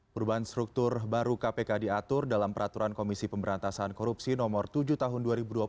perubahan struktur baru kpk diatur dalam peraturan komisi pemberantasan korupsi nomor tujuh tahun dua ribu dua puluh